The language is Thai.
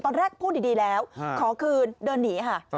ตอนแรกพูดดีแล้วขอคืนเดินหนีค่ะ